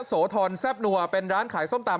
โยโศธอนแซ่บนัวเป็นร้านขายส้มตาล